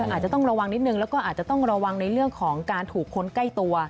อาจจะต้องระวังนิดนึงแล้วก็อาจจะต้องระวังในเรื่องของการถูกคนใกล้ตัว